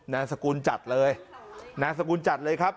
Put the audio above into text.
นามสกุลจัดเลยนามสกุลจัดเลยครับ